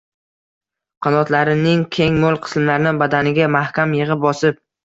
qanotlarining keng-mo‘l qismlarini badaniga mahkam yig‘ib-bosib